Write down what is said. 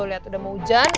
lihat udah mau hujan